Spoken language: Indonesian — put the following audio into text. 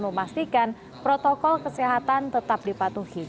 memastikan protokol kesehatan tetap dipatuhi